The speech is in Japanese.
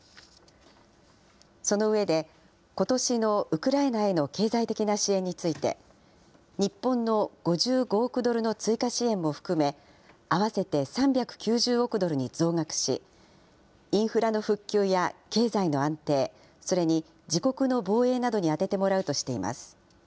その上で、ことしのウクライナへの経済的な支援について、日本の５５億ドルの追加支援も含め、合わせて３９０億ドルに増額し、インフラの復旧や経済の安定、それに自国の防衛などに充ててもらうとしています。